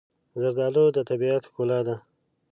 زردالو د طبیعت ښکلا ده.